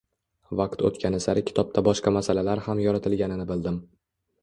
Vaqt o‘tgani sari kitobda boshqa masalalar ham yoritilganini bildim.